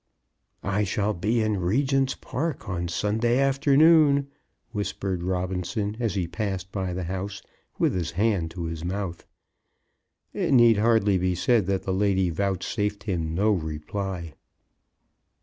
"I shall be in Regent's Park on Sunday afternoon," whispered Robinson, as he passed by the house, with his hand to his mouth. It need hardly be said that the lady vouchsafed him no reply.